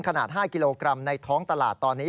ขนาด๕กิโลกรัมในท้องตลาดตอนนี้